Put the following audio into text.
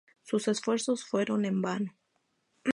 Sus esfuerzos fueron en vano.